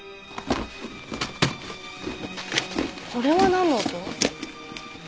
これはなんの音？